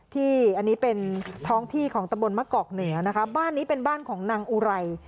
ที่อันนี้เป็นท้องที่ของตะบนมะกอกเหนือนะคะบ้านนี้เป็นบ้านของนางอุไร